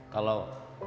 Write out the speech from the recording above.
kalau kita kita berkumpul